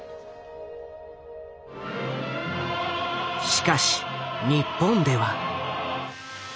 しかし日本では。